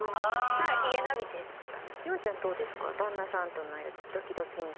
なんかヒゲ伸びてるとか。